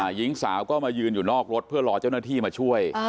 หญิงสาวก็มายืนอยู่นอกรถเพื่อรอเจ้าหน้าที่มาช่วย